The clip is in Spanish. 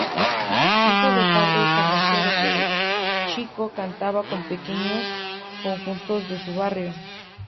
Hijo de padre carnicero, de chico cantaba con pequeños conjuntos de su barrio.